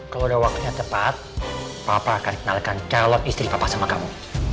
kalau ada waktunya tepat papa akan kenalkan calon istri bapak sama kamu